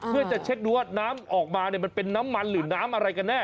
เพื่อจะเช็คดูว่าน้ำออกมามันเป็นน้ำมันหรือน้ำอะไรกันแน่